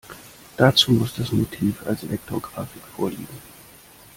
Dazu muss das Motiv als Vektorgrafik vorliegen.